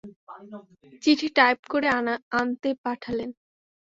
চিঠি টাইপ করে আনতে পাঠালেন।